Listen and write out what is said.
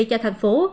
cho thành phố